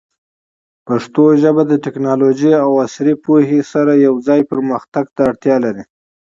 پښتو ژبه د ټیکنالوژۍ او عصري پوهې سره یوځای پرمختګ ته اړتیا لري.